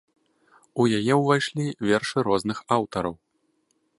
У яе ўвайшлі вершы розных аўтараў.